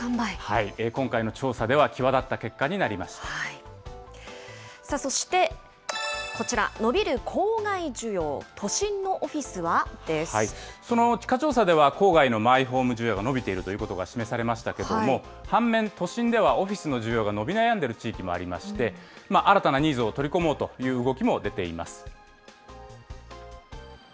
今回の調査では、際立った結そして、こちら、伸びる郊外その地価調査では、郊外のマイホーム需要が伸びているということが示されましたけれども、反面、都心ではオフィスの需要が伸び悩んでいる地域もありまして、新たなニーズを取り込もうという動きも出ています。